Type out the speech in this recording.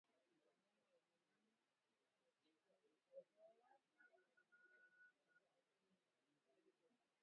Wanyama wenye minyoo hukohoa na kunyoofika